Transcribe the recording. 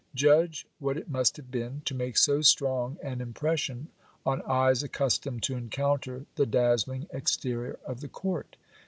Judge what it must have been, to make so strong an impression on eyes accustomed to encounter the dazzling exterior of the court.